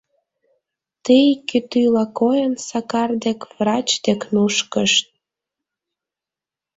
Тий, кӱтӱла койын, Сакар дек, врач дек нушкыт...